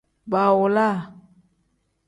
Baawolaa.